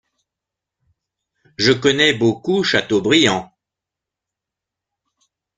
Je connais beaucoup Chateaubriand.